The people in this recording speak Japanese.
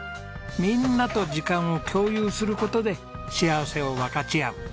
みんなと時間を共有する事で幸せを分かち合う。